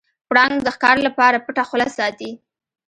پړانګ د ښکار لپاره پټه خوله ساتي.